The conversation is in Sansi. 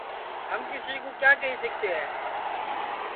ہم کسی کُو کیا کیہی سِکتے ہے